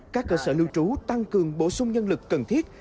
các cơ sở lưu trú tăng cường bổ sung nhân lực cần thiết